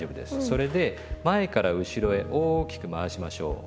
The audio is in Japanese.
それで前から後ろへ大きく回しましょう。